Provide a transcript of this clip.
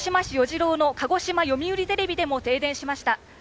じろうの鹿児島読売テレビでも停電しました。